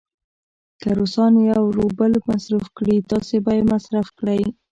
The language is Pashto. که روسان یو روبل مصرف کړي، تاسې به دوه مصرف کړئ.